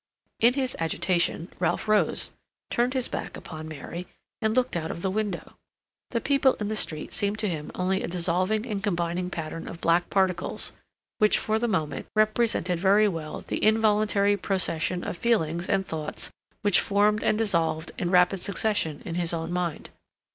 In his agitation Ralph rose, turned his back upon Mary, and looked out of the window. The people in the street seemed to him only a dissolving and combining pattern of black particles; which, for the moment, represented very well the involuntary procession of feelings and thoughts which formed and dissolved in rapid succession in his own mind.